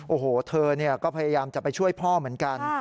โอ้โหเธอก็พยายามจะไปช่วยพ่อเหมือนกัน